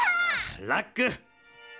ラック！